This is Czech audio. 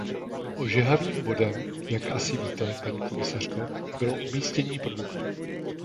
Ožehavým bodem, jak asi víte, paní komisařko, bylo umístění produktu.